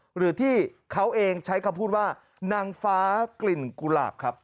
หรือที่เขาเองใช้คำพูดว่านางฟ้ากลิ่นกุหลาบครับ